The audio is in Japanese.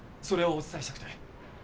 それをお伝えしたくて。